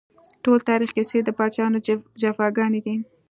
ټول تاريخ کيسې د پاچاهانو جفاګانې دي